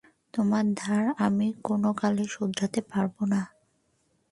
তোমার ধার আমি কোন কালে শুধতে পারব না।